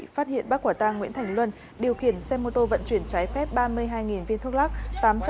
phát hiện bắt quả tang nguyễn thành luân điều khiển xe mô tô vận chuyển trái phép ba mươi hai viên thuốc lắc